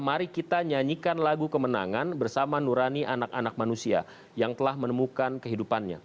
mari kita nyanyikan lagu kemenangan bersama nurani anak anak manusia yang telah menemukan kehidupannya